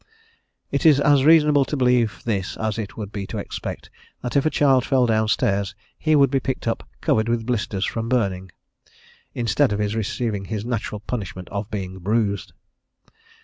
It is as reasonable to believe this as it would be to expect that if a child fell down stairs he would be picked up covered with blisters from burning, instead of his receiving his natural punishment of being bruised.